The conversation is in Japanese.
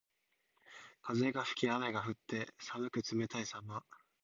風が吹き雨が降って、寒く冷たいさま。